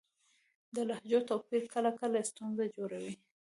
د لهجو توپیر کله کله ستونزه جوړوي.